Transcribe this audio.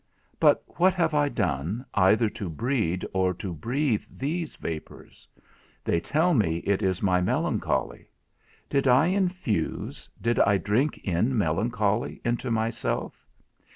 But what have I done, either to breed or to breathe these vapours? They tell me it is my melancholy; did I infuse, did I drink in melancholy into myself?